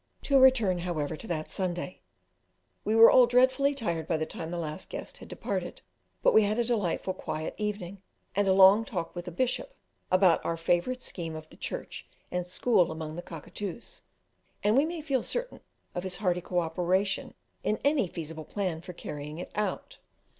To return, however, to that Sunday. We were all dreadfully tired by the time the last guest had departed, but we had a delightfully quiet evening, and a long talk with the Bishop about our favourite scheme of the church and school among the Cockatoos, and we may feel certain of his hearty cooperation in any feasible plan for carrying it out.